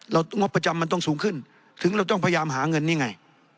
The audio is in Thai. งบประจำมันต้องสูงขึ้นถึงเราต้องพยายามหาเงินนี่ไง